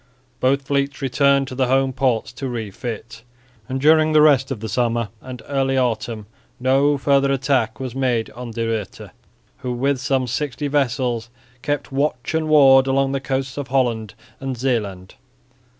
Both fleets returned to the home ports to refit; and during the rest of the summer and early autumn no further attack was made on De Ruyter, who with some sixty vessels kept watch and ward along the coasts of Holland and Zeeland.